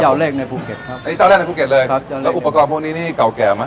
เอาเลขในภูเก็ตครับอันนี้ตอนแรกในภูเก็ตเลยครับแล้วอุปกรณ์พวกนี้นี่เก่าแก่ไหม